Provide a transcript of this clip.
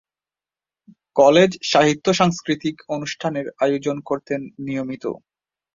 College সাহিত্য-সাংস্কৃতিক অনুষ্ঠানের আয়োজন করতেন নিয়মিত।